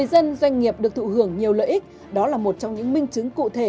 doanh nghiệp được thụ hưởng nhiều lợi ích đó là một trong những minh chứng cụ thể